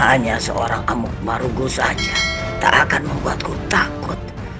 hanya seorang emok marugosa takkan membuatmu takut